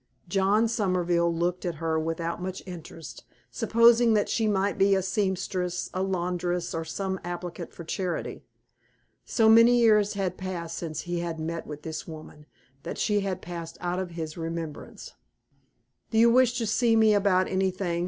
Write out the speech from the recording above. John Somerville looked at her without much interest, supposing that she might be a seamstress, or laundress, or some applicant for charity. So many years had passed since he had met with this woman, that she had passed out of his remembrance. "Do you wish to see me about anything?"